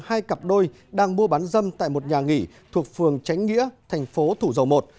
hai cặp đôi đang mua bán dâm tại một nhà nghỉ thuộc phường tránh nghĩa thành phố thủ dầu một